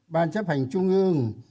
ban chấp hành trung ương